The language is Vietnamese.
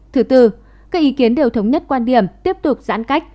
thứ tư các ý kiến đều thống nhất quan điểm tiếp tục giãn cách